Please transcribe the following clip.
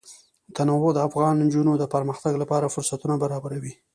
تنوع د افغان نجونو د پرمختګ لپاره فرصتونه برابروي.